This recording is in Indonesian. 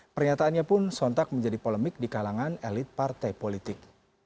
pernyataannya pun sontak menjadi polemik di kalangan elit partai politik